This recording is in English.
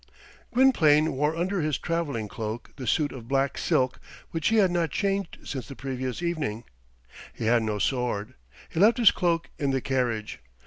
Gwynplaine wore under his travelling cloak the suit of black silk, which he had not changed since the previous evening. He had no sword. He left his cloak in the carriage.